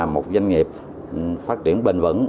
một doanh nghiệp phát triển bình vẩn